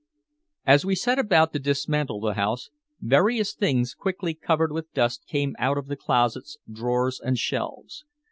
As we set about to dismantle the house, various things thickly covered with dust came out of closets, drawers and shelves.